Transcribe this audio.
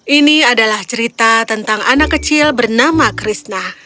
ini adalah cerita tentang anak kecil bernama krishna